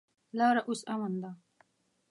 لاره اوس امن ده.